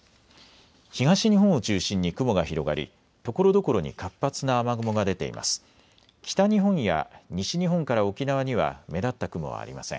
東日本を中心に雲が広がりところどころに活発な雨雲が出ています。